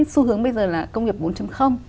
xu hướng bây giờ là công nghiệp bốn